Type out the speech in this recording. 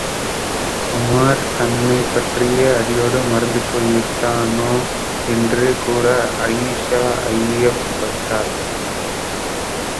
உமார் தன்னைப்பற்றியே அடியோடு மறந்து போய்விட்டானோ என்று கூட அயீஷா ஐயப்பட்டாள்.